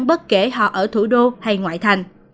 bất kể họ ở thủ đô hay ngoại thành